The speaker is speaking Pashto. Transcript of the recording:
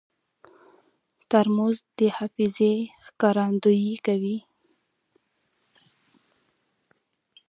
ترموز د حافظې ښکارندویي کوي.